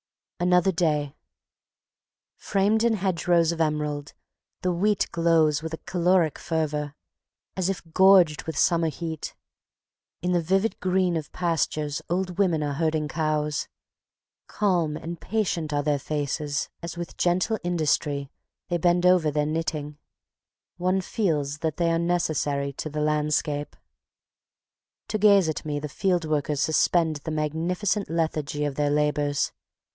Another day. Framed in hedgerows of emerald, the wheat glows with a caloric fervor, as if gorged with summer heat. In the vivid green of pastures old women are herding cows. Calm and patient are their faces as with gentle industry they bend over their knitting. One feels that they are necessary to the landscape. To gaze at me the field workers suspend the magnificent lethargy of their labors.